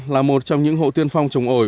là một trong những hộ tiên phong trồng ổi